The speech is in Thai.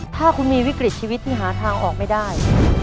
ถ้าคุณมีวิกฤตชีวิตที่หาทางออกไม่ได้